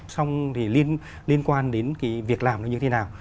xong thì liên quan đến cái việc làm nó như thế nào